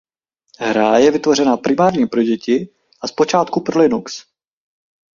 Hra je vytvořená primárně pro děti a zpočátku pro Linux.